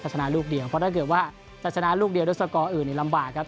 ชนะลูกเดียวเพราะถ้าเกิดว่าจะชนะลูกเดียวด้วยสกอร์อื่นนี่ลำบากครับ